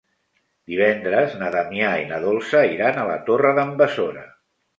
Divendres na Damià i na Dolça iran a la Torre d'en Besora.